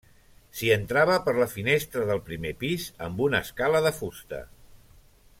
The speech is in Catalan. S'hi entrava per la finestra del primer pis amb una escala de fusta.